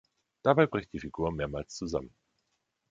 Dabei bricht die Figur mehrmals zusammen.